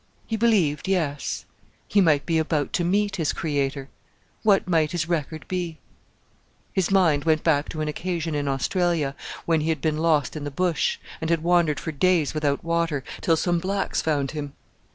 He believed yes.... He might be about to meet his Creator. What might his record be?... His mind went back to an occasion in Australia, when he had been lost in the Bush, and had wandered for days without water, till some blacks found him.